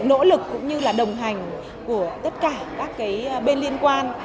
nỗ lực cũng như là đồng hành của tất cả các bên liên quan